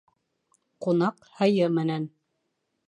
Ҡунаҡ һыйы менән.